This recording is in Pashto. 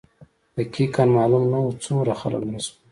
دقیقا معلوم نه وو څومره خلک مړه شول.